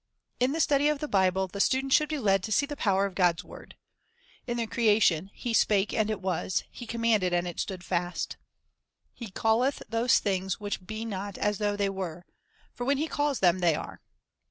In the study of the Bible the student should be led to see the power of God's word. In the creation, " He spake, and it was; He commanded, and it stood fast." He "calleth those things which be not as though they were;" 1 for when He calls them, they are.